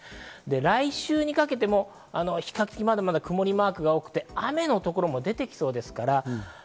来週にかけても比較的まだまだ曇りマークが多くて雨の所も出てきそうです。